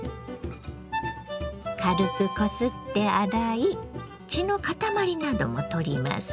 軽くこすって洗い血の塊なども取ります。